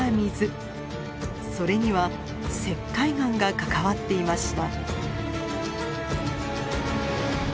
それには石灰岩が関わっていました。